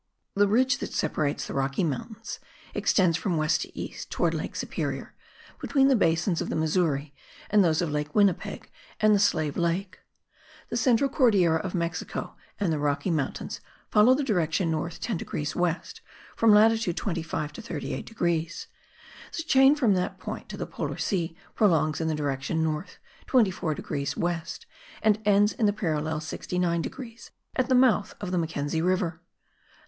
The ridge that separates the Rocky Mountains extends from west to east, towards Lake Superior, between the basins of the Missouri and those of Lake Winnipeg and the Slave Lake. The central Cordillera of Mexico and the Rocky Mountains follow the direction north 10 degrees west, from latitude 25 to 38 degrees; the chain from that point to the Polar Sea prolongs in the direction north 24 degrees west, and ends in the parallel 69 degrees, at the mouth of the Mackenzie River.